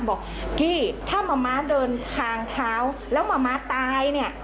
บอกกี้ถ้ามะม้าเดินทางเท้าแล้วมะม้าตายเนี่ย